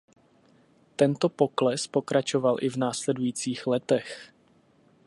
Tento pokles pokračoval i v následujících letech.